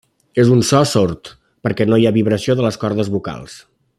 És un so sord perquè no hi ha vibració de les cordes vocals.